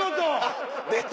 出た。